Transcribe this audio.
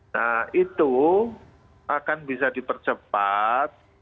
nah itu akan bisa dipercepat